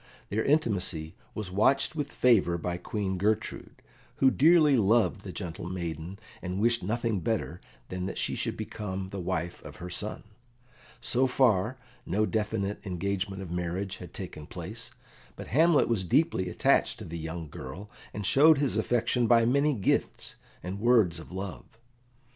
Their intimacy was watched with favour by Queen Gertrude, who dearly loved the gentle maiden, and wished nothing better than that she should become the wife of her son. So far, no definite engagement of marriage had taken place, but Hamlet was deeply attached to the young girl, and showed his affection by many gifts and words of love.